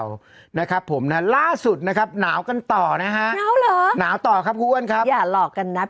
คนที่บอกเด็กผ่านมาแล้วยังรถ